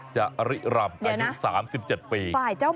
ในทุกสามสิบเจ็บปี